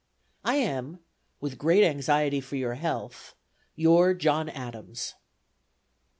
"I am, with great anxiety for your health, "Your JOHN ADAMS."